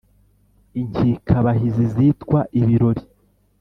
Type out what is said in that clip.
inkikabahizi zitwa ibirori